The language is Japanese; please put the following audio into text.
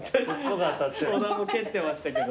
子供蹴ってましたけど。